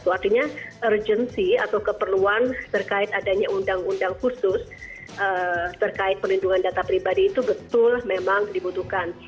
artinya urgency atau keperluan terkait adanya undang undang khusus terkait pelindungan data pribadi itu betul memang dibutuhkan